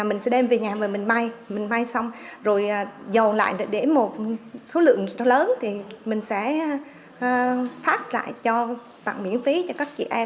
mình sẽ đem về nhà rồi mình may mình may xong rồi dầu lại để một số lượng lớn thì mình sẽ phát lại cho tặng miễn phí cho các chị em